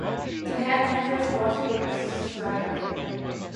The headquarters was in Siegen.